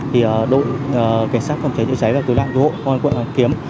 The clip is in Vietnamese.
thì đội kiểm soát phòng cháy chữa cháy và cứu đoạn thu hộ con quận kiếm